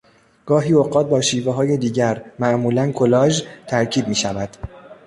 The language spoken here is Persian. گاهی اوقات با شیوه های دیگر، معمولاً کولاژ ترکیب می شود.